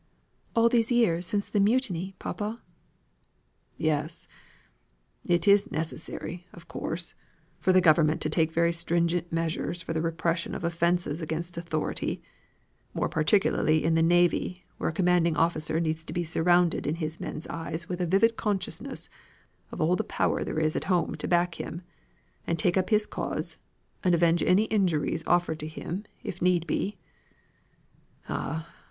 "All these years since the mutiny, papa?" "Yes; it is necessary, of course, for government to take very stringent measures for the repression of offences against authority, more particularly in the navy, where a commanding officer needs to be surrounded in his men's eyes with a vivid consciousness of all the power there is at home to back him, and take up his cause, and avenge any injuries offered to him, if need be. Ah!